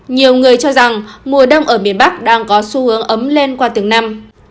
nhiều người cho rằng mùa đông ở miền bắc đang có xu hướng ấm lên qua từng năm